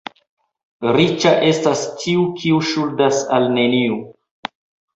Riĉa estas tiu, kiu ŝuldas al neniu.